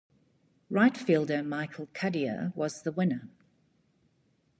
Right fielder Michael Cuddyer was the winner.